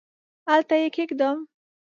هلته یې کښېږدم ؟؟